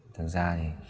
thực ra thì